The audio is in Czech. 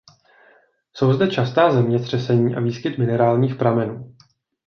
Jsou zde častá zemětřesení a výskyt minerálních pramenů.